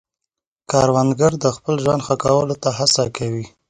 کروندګر د خپل ژوند ښه کولو ته هڅه کوي